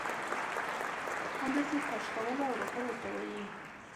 همداسې کش کولو او رټلو ته وايي.